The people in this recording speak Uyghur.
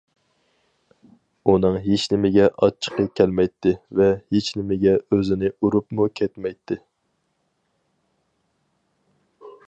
ئۇنىڭ ھېچنېمىگە ئاچچىقى كەلمەيتتى ۋە ھېچنېمىگە ئۆزىنى ئۇرۇپمۇ كەتمەيتتى.